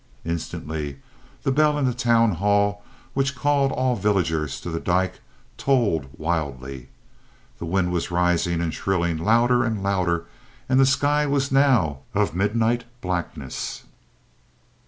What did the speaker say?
Instantly the bell in the town hall which called all villagers to the dyke tolled wildly. The wind was rising and shrilling louder and louder, and the sky was now of midnight blackness.